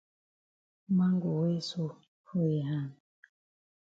Man go well so for yi hand?